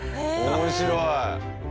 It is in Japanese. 面白い！